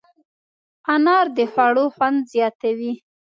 انار د خوړو خوند زیاتوي.